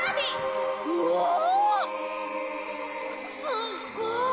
すっごーい！